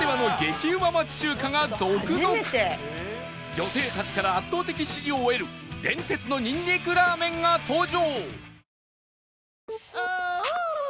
女性たちから圧倒的支持を得る伝説のにんにくラーメンが登場！